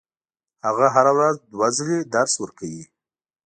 هغه هره ورځ دوه ځلې درس ورکوي.